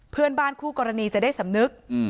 เพื่อนบ้านคู่กรณีจะได้สำนึก